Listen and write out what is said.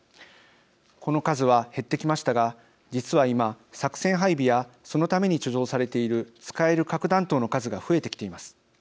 この数は減ってきましたが実は、今、作戦配備やそのために貯蔵されている使える核弾頭の数が増えてきています。